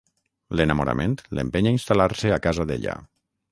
L'enamorament l'empeny a instal·lar-se a casa d'ella.